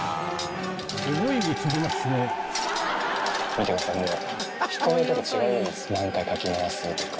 見てくださいもう。